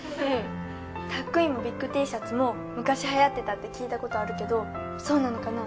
タックインもビッグＴシャツも昔流行ってたって聞いたことあるけどそうなのかな？